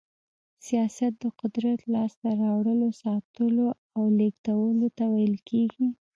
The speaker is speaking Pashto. سياست د قدرت لاسته راوړلو، ساتلو او لېږدولو ته ويل کېږي.